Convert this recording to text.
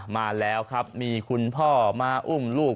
มาแล้วครับมีคุณพ่อมาอุ้มลูก